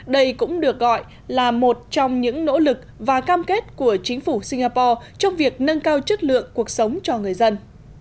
đây cũng được gọi là một trong những nỗ lực và cam kết của chính phủ singapore trong việc nâng cao chất lượng cuộc sống cho người dân